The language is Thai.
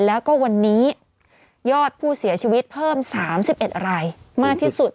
แล้วก็วันนี้ยอดผู้เสียชีวิตเพิ่ม๓๑รายมากที่สุด